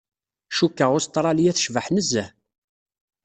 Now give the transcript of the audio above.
Cukkeɣ Ustṛlya tecbeḥ nezzeh.